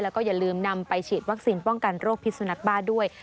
แล้วก็อย่าลืมนำไปฉีดวัคซีนป้องกันโรคพิษสุนักบ้าด้วย